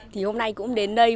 thì hôm nay cũng đến đây